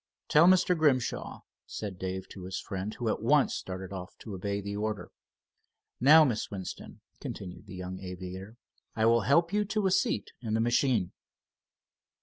"Tell Mr. Grimshaw," said Dave to his friend, who at once started off to obey the order. "Now, Miss Winston," continued the young aviator, "I will help you to a seat in the machine."